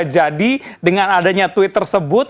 jadi dengan adanya tweet tersebut